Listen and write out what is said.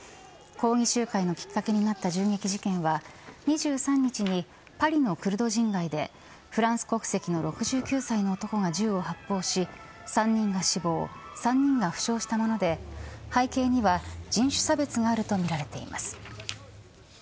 抗議集会のきっかけになった銃撃事件は２３日にパリのクルド人街でフランス国籍の６９歳の男が銃を発砲し３人が死亡、３人が負傷したもので背景には人種差別があるとみられています。